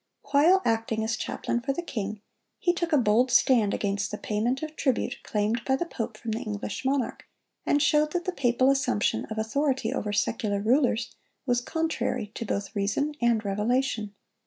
While acting as chaplain for the king, he took a bold stand against the payment of tribute claimed by the pope from the English monarch, and showed that the papal assumption of authority over secular rulers was contrary to both reason and revelation.